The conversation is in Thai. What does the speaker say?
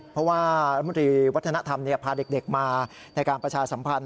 เพราะว่ารัฐมนตรีวัฒนธรรมพาเด็กมาในการประชาสัมพันธ